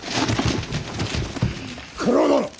九郎殿！